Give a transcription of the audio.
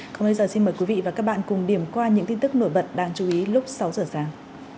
còn bây giờ xin mời quý vị và các bạn cùng điểm qua những tin tức nổi bật đáng chú ý lúc sáu giờ sáng